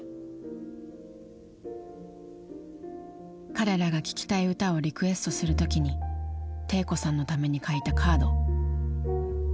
彼らが聴きたい歌をリクエストする時に悌子さんのために書いたカード。